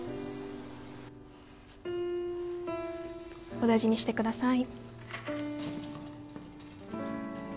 お大事にしてください。